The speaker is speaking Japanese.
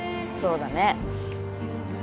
そうだね。